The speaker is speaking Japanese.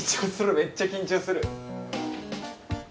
めっちゃ緊張する。